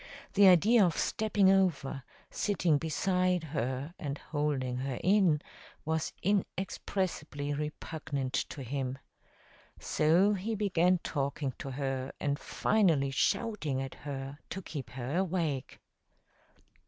The idea of stepping over, sitting beside her, and holding her in, was inexpressibly repugnant to him. So he began talking to her, and finally shouting at her, to keep her awake.